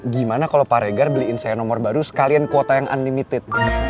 gimana kalau pak regar beliin saya nomor baru sekalian kuota yang unlimited